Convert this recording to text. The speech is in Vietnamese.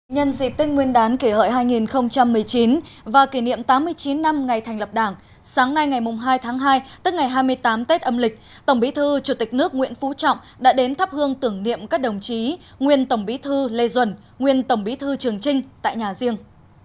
nhân dịp tên nguyên đán kể hợi hai nghìn một mươi chín và kỷ niệm tám mươi chín năm ngày thành lập đảng sáng nay ngày hai tháng hai tức ngày hai mươi tám tết âm lịch tổng bí thư chủ tịch nước nguyễn phú trọng đã đến thắp hương tưởng niệm các đồng chí nguyên tổng bí thư lê duẩn nguyên tổng bí thư trường trinh tại nhà riêng